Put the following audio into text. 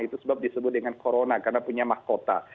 itu sebab disebut dengan corona karena punya mahkota